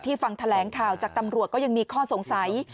ฟังแถลงข่าวจากตำรวจก็ยังมีข้อสงสัย